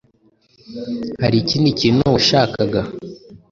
Hari ikindi kintu washakaga?